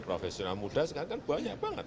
profesional muda sekarang kan banyak banget